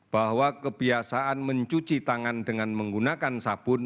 bahwa kebiasaan mencuci tangan dengan menggunakan sabun